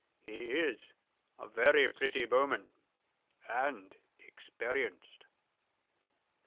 He is a very pretty bowman, and experienced."